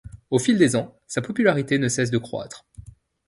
Au fil des ans, sa popularité ne cesse de croître.